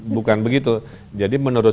bukan begitu jadi menurut